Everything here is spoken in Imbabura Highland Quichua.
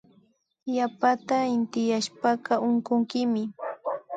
Yapata intiyashpaka unkunkimi